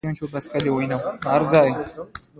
بابای ولي زیارت په کومه غونډۍ دی؟